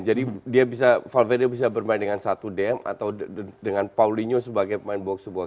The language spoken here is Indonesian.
jadi valverde bisa bermain dengan satu dm atau dengan paulinho sebagai pemain box to box